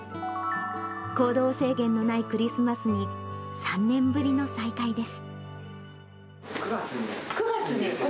行動制限のないクリスマスに３年ぶりの再会です。